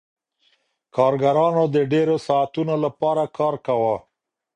کارګرانو د ډیرو ساعتونو لپاره کار کاوه.